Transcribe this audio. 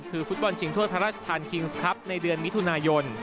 คือฟุตบอลชิงถ้วยพระราชทานคิงส์ครับในเดือนมิถุนายน